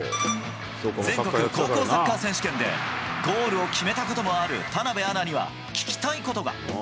全国高校サッカー選手権で、ゴールを決めたこともある田辺アナには聞きたいことが。